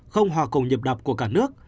không hòa cùng nhịp đập của cả nước